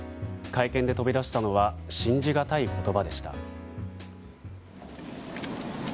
会見で飛び出したのは信じがたい言葉でした。